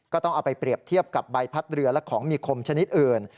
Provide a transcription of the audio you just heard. ก็ต้องเอาไปเปรียบเทียบกับใบพัดเรือและของมีคมชนิดอื่น